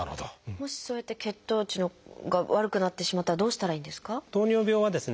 もしそうやって血糖値が悪くなってしまったらどうしたらいいんですか？